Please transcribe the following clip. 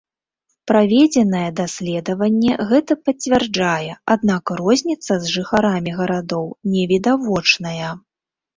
Праведзенае даследаванне гэта пацвярджае, аднак розніца з жыхарамі гарадоў не відавочная.